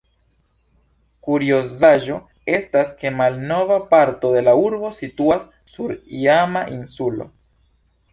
Kuriozaĵo estas ke malnova parto de la urbo situas sur iama insulo.